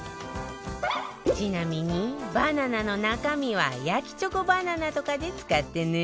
ちなみにバナナの中身は焼きチョコバナナとかで使ってね